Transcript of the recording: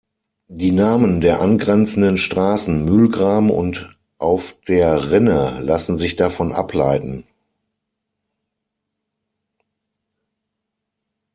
Die Namen der angrenzenden Straßen "Mühlgraben" und "Auf der Rinne" lassen sich davon ableiten.